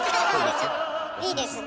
いいですね